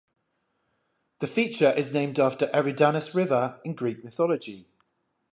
The feature is named after Eridanus River in Greek mythology.